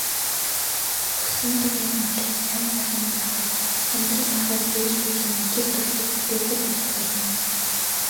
Гүсэнтүгийн мандлыг сайн сайхан байхад, амьдрал ахуйг дээшлүүлэн, ажил төрлийг бүтээхэд айлтгуулна.